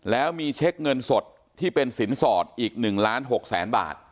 แล้วมีเช็คเงินสดที่เป็นสินสอดอีก๑ล้าน๖แสนบาท